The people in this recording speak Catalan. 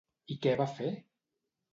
I què va fer?